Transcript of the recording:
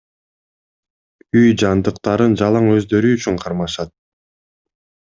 Үй жандыктарын жалаң өздөрү үчүн кармашат.